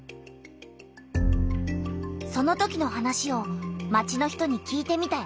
そのときの話を町の人に聞いてみたよ。